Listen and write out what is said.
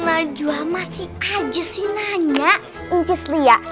aja sih nanya